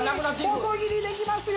細切りできますよ！